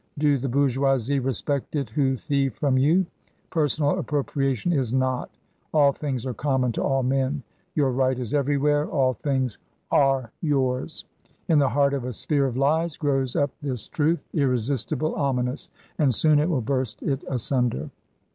Do the Bourgeoisie respect it who thieve from you ? Per sonal appropriation is not All things are common to all men. Your right is everywhere. All things are « TRANSITION, 145 yours. In the heart of a sphere of lies grows up this truth — irresistible, ominous. And soon it will burst it asunder.'